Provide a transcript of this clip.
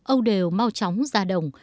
ông đều mau chóng ra đồng